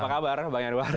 apa kabar bang yanwardi